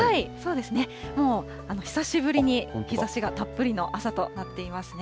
もう久しぶりに日ざしがたっぷりの朝となっていますね。